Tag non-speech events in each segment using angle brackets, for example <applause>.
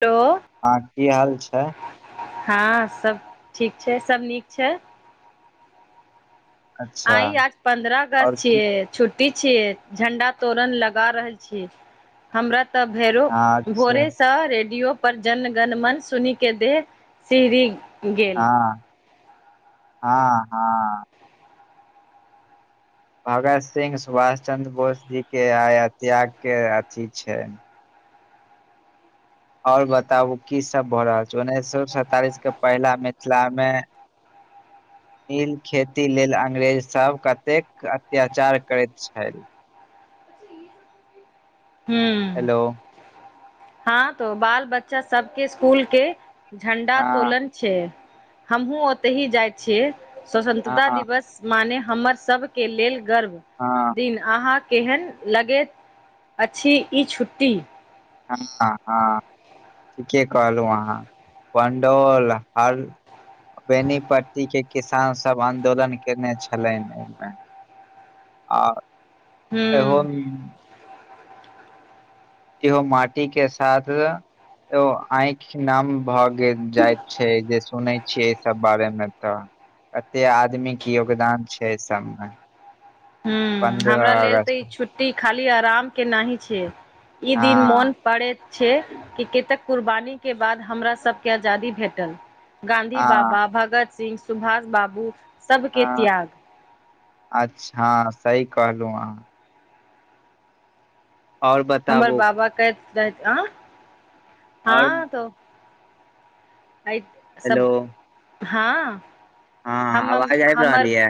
तो अहाँक की हाल छै। हां सब ठीक छै सब नीक छै अच्छा आइ आज पन्द्रह अगस्त आओर की छियै छुट्टी छियै झंडा तोरन लगा रहल छियै हमरा तऽ भैरो हँ अच्छा भोरेसँ रेडियो पर जन गन मन सुनी के देह सिहरी गेल हँ हँ हँ। भगत सिंह सुभाष चंन्द्र बोस जी के आय त्याग के अथी छैय आओर बताबू की सब भऽ रहल छै उन्नैस सोऽ सैंतालिस के पहिला मिथिला मे <inaudible> नील खेती लेल अंग्रेज सब कतेक अत्याचार करति छलि हूँ हेलो हँ तो बाल- बच्चा सबके स्कूल के झंडा हँ तोलन छै हमहुँ ओतही जाइ छियै हँ स्वतंत्रता हँ दिवस माने हमर सबके लेल गर्व हां दिन आंहाँ केहन लगेत अछि ई छुट्टी हँ हँ ठीके कहलहुँ अहाँ पंडौल हर बेनीपट्टी के किसान सब आन्दोलन केने छलैन अइमे आ हूँ हमी इहो माटी के साथ ओ आँखि नाम भए गेल जाइत छै जे सुनै छियै ई सब बारे मे तऽ कते आदमी के योगदान छै अइ सऽमे पन्द्रह अगस्त ट्टी खाली आराम के नाहि छियैय ई दिन हँ मोन पड़ेत छै कि कतेक कुर्बानी के बाद हमरा सबके आजादी भेटल गाँधी हँ बाबा भगत सिंह सुभाष बाबू सबके हँ त्याग अच्छा सही कहलौं अहाँ आओर हमर बताबू बाबा कहति रहति हँ आओर हँ तो आय हेलो सब हँ हँ हमम आवाज आबि हमर रहल ये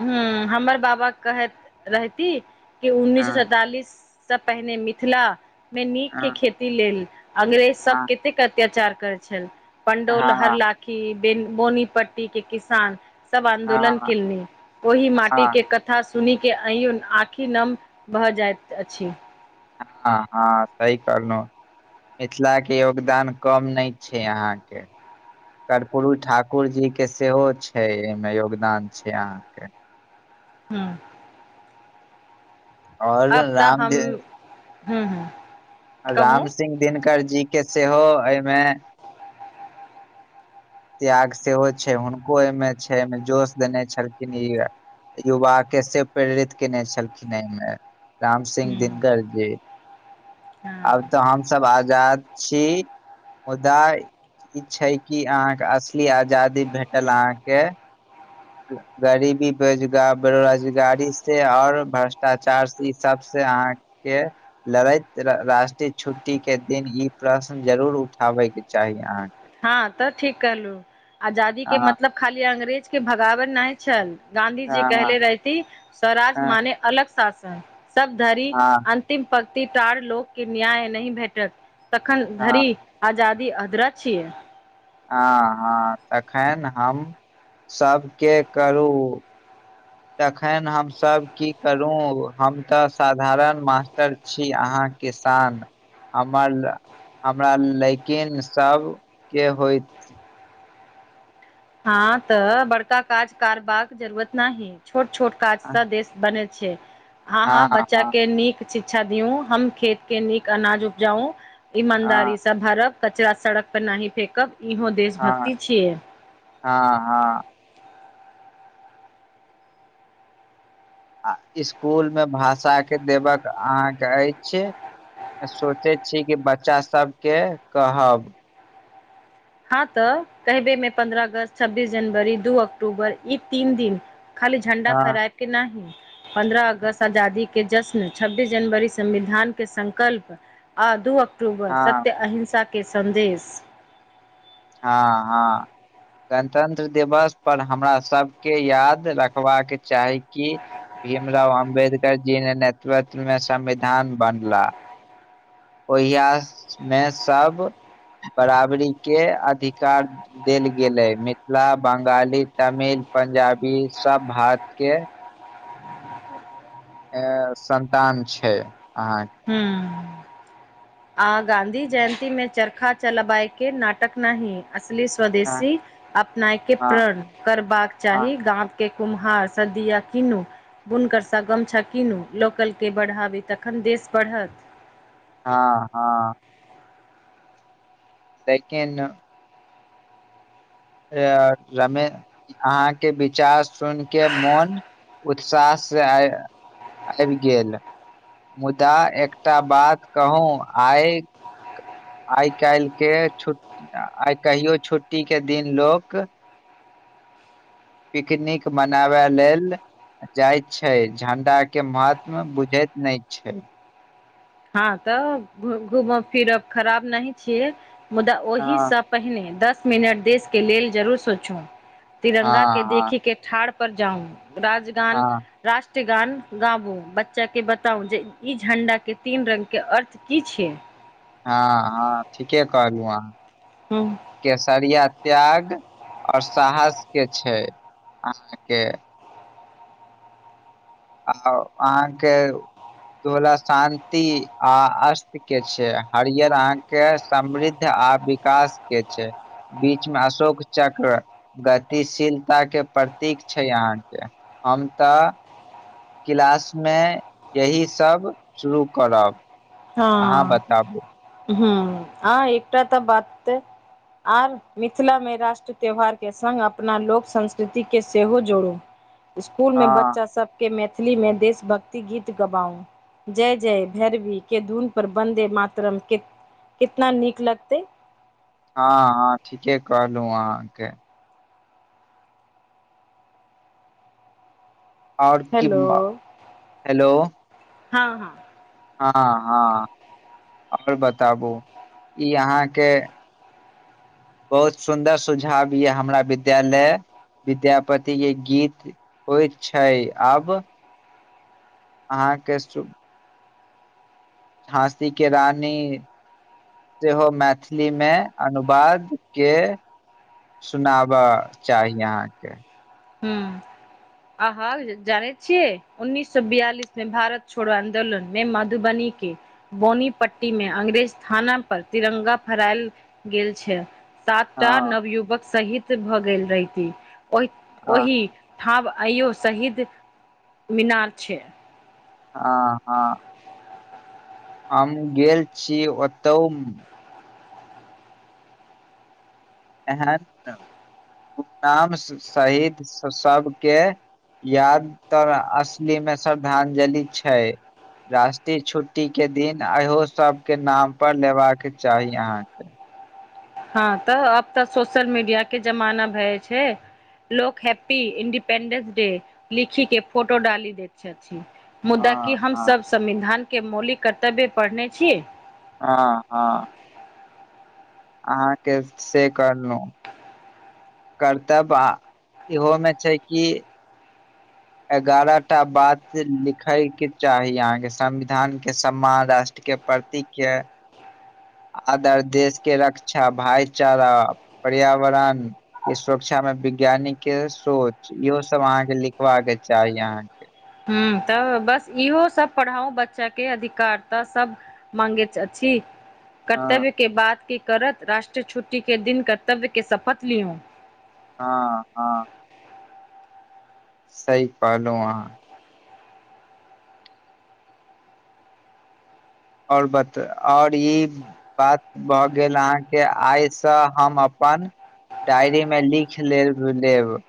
हूं हमर बाबा कहति रहती कि उन्नीस हँ सय सैंतालिस सब पहिने मिथिला मे नीक के हँ खेती लेल अंग्रेज सब हँ केतेक अत्याचार करति छल पंडौल हर हँ ला की बेनी बोनी पट्टी के किसान सब आंन्दोलन हँ किलनी ओहि हँ माटी के कत् था सुनि के आइयो आँखि नम भऽ जाइत अछि हँ हँ सही कहलौं मिथिला के योगदान कम नय छै अहाँके कर्पूरू ठाकुर जी के सेहो छै अहिमे योगदान छैय अहाँके हूँ आओर अब तऽ राम हम दे- हुँ हुँ राम सिंह दिनकर जी के सेहो अईमे त्याग सेहो छैय हुनको अहिमे छैय अहिमे जोश देने छलखिन ई आर युवा के से प्रेरित केने छलखिन अईमे राम सिंह हूँ दिनकर जी हँ आब तऽ हम सब आजाद छी मुदा <inaudible> ई छैय कि अहाँ असली आजादी भेटल अहाँकेँ गरीबी बेजगार बेरोजगारी से और भ्रष्टाचार ई सब से अहाँ केँ लड़ैत राष्ट्रीय छुट्टी केँ दिन ई प्रश्न जरूर उठाबैक चाही अहाँकेँ हँ तऽ ठीक कहलु आजादी केँ हँ मतलब खाली अंग्रेज केँ भगावय नै छल गाँधी जी हँ हँ कहले रहथिन स्वराज माने अलग शासन सब धरि हँ अंतिम पंक्तिदार लोक कऽ न्याय नही भैटत तखन हँ धरि आजादी अदरा छियै हँ हँ तखैन हम <inaudible> सब केँ करू तखन हमसब की करू हम तऽ साधारण मास्टर छी अहाँ किसान हमर हमरा लैेकिन सब केँ होइत हँ तऽ बड़का काज कारबाक जरूरत नै ही छोट छोट काज हँ स देश करै छियै <inaudible> हाँ हाँ बच्चा हँ केँ नीक शिक्षा दियौ हम खेत केँ नीक अनाज उपजाउ हँ ईमानदारी से सब भारब कचड़ा सड़क पर नै फेकब इहो हँ देशभक्ति छियै हँ हँ आ इसकूल में भाषा कऽ देबक अहाँकेँ अइछे सोचय छी कि बच्चा सब केँ कहब हँ तऽ कहि देबै पन्द्रह अगस्त छब्बीस जनवरी दू अक्टूबर ई तीन दिन खाली झण्डा हँ फहरायब केँ ना ही पन्द्रह अगस्त आजादी केँ जश्न छब्बीस जनवरी संविधान केँ संकल्प आ दू अक्टूबर हँ सत्य अहिंसा केँ सन्देश हऽ हऽ गणतंत्र दिवस पर हमरा सब केँ याद रखबाक चाही कि भीम राव अम्बेडकर जी ने नेतृत्व में संविधान बनला ओहिया मे सब बराबरी केँ अधिकार देल गेल आए मिथिला बंगाली तमिल पंजाबी सब भारत केँ ऐं संतान छैय अहाँकेँ <unintelligible> आ गाँधी जयन्ती में चरखा चलबाय केँ नाटक ना ही असली हँ स्वदेशी अपनाय केँ हँ प्रण करबाक चाही गाम केँ कुम्हार स दिया किनू बुनकर स गमछा कीनू लोकल केँ बढ़ाबी तखन देश बढ़त हँ हँ लेकिन <unintelligible> अहाँकेँ विचार सुन केँ मोन उत्साह से आय आइब गेल <inaudible> मुदा एकटा बात कहू आइ आइ काइल केँ छु आइ कहियो छुट्टी केँ दिन लोक पिकनिक मनाबै लेल जाइ छै झंडा केँ महत्व बुझैत नै छै। हँ तऽ घूमब फिरब खराब नही छियै मुदा ओहि हँ सब पहिने दस मिनट देश केँ लेल जरूर सोचू तिरंगा हँ केँ हँ देखे केँ ठाढ़ प पर जाउ राजगान हँ राष्ट्रगान गाबू बच्चा के बताउ जे ई झंडा के तीन रंग के अर्थ की छै हँ हँ ठीके कहलहु अहाँ हूं केसरिया त्याग आओर साहस के छै अहाँके आउ अहाँके तोला शान्ति आ अस्त के छै आ हरियर अहाँकेँ समृद्ध आ काश के छै बीच मे अशोक चक्र गतिशीलताके प्रतीक छै अहाँकेँ हम तऽ किलासमे यही सब शुरू करब अहाँ बताबु हुं आ एकटा तऽ बात आब मिथिलामे राष्ट्र त्यौहारके सङ्ग अपना लोक संस्कृतिके सेहो जोड़ू स्कूल में हँ बच्चा सबके मैथिली में देशभक्ति गीत गबाउ जय जय भैरवी के धून पर बन्दे मातरम के- कितना नीक लगतै हँ हँ ठीके कहलहु अहाँके आओर हेलो किम्मा हेलो हँ हँ हाँ हाँ हमे बताबु ई अहाँकेँ बहुत सुंदर सुझाव यै हमरा विद्यालय विद्यापति के गीत होइ छै आब अहाँ के सु झाँसी के रानी जेहो मैथिलीमे अनुवाद के सुनाबऽ चाही अहाँके हूँ अहाँ जानै छियै उन्नीस सौ बियालिसमे भारत छोड़ो आंदोलनमे मधुबनीकेँ बोनीपट्टी मे अंग्रेज थाना पर तिरंगा फहरायल गेल छैल सातटा हँ नवयुवक सहित भऽ गेल रहिति ओहि हँ ओहि ठाम आइयो शहीद मीनार छै। आ हाँ हम गेल छी ओतहु एहन <inaudible> मुकताब स-सहित स-सबके इयाद तर असली मे श्रद्धांजलि छै राष्ट्रीय छुट्टी के दिन आ इहो सबके नाम पर नेबाक चाही अहाँकेँ हँ तऽ अब तऽ सोशल मीडिया के जमाना भए छै लोक हैप्पी इंडिपेंडेंस डे लिखि के फोटो डालैत हैत छथिन मुदा कि हँ हम हँ सब संविधान के मौलिक कर्तव्य पढ़ने छी आँ हाँ अहाँकेँ <inaudible> से कहलहुँ कर्तब आ इहोमे छै कि एगारह टा बात लिखै के चाही अहाँकेँ संविधान के सम्मान राष्ट्र के परती कै <inaudible> आदर देश के रक्षा भाईचारा पर्यावरण ई सुरक्षामे विज्ञानिककेँ सोच इहो सब अहाँकेँ लिखबा के चाही अहाँकेँ हुँ तऽ बस इहो सब पढ़ाउ बच्चा के अधिकार त सब माँंगेच अछी हँ कर्तव्य के बात की करत राष्ट्रीय छुट्टी के दिन कर्तव्य के शपथ लियौ हँ हं सही कहलहुँ अहाँ ओर बत ओर ई बात भऽ गेल अहाँ के आइसँ हम अपन डायरी में लिख लेय लेब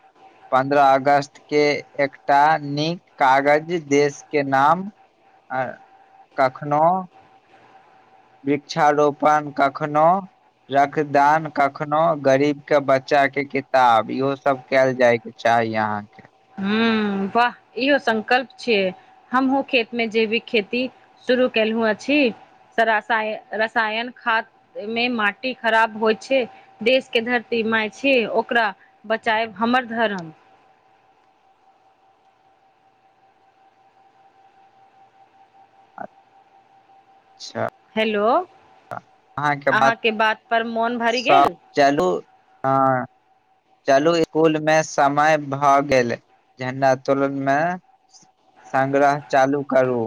पन्द्रह अगस्त के एकटा नीक कागज देश के नाम आऽ कखनो वृक्षारोपण कखनो रक्तदान कखनो गरीब के बच्चा के किताब इहो सब कैल जाय चाहि अहाँके हुँ हँ वाह इहो संकल्प छियै हमहुँ खेत मे जैविक खेती शुरू केलहुँ अछि सरसाय रसायन खाद्य मे माटी खराब होइ छै देश के धरती माय छै ओकरा बचाएब हमर धरम <inaudible> च्छा हेलो <inaudible> अहाँके बात पर मोन भरी सब गेल चलू आऽ चलू <inaudible> स्कूल मे समय भए गेल झण्डा तोलन मे संग्रह चालू करू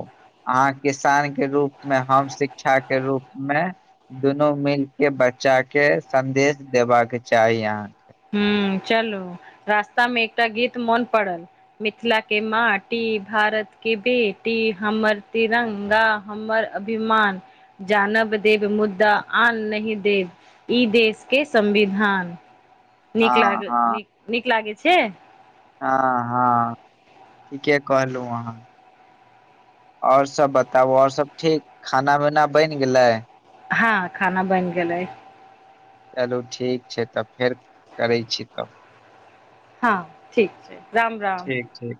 अहाँ किसान के रूप में हम शिक्षा के रूप में दुनू मिलके बच्चा के संदेश देबा के चाही अहाँके हूं चलू रास्ता मे एकटा गीत मोन पड़ल मिथिला के माटी भारत के बेटी हमर तिरंगा हमर अभिमान जानब देब मुद्दा आन नहि देब ई देश के संविधान नीक लाग हँ नीक नीक लागे छै हँ हँ ठीके कहलहुँ अहाँ और सब बताबु ओर सब ठीक खाना वना बइन गेलै हँ खाना बइन गेलै चलू ठीक छै तब फेर करै छी तब हाँ ठीक छै राम राम ठीक ठीक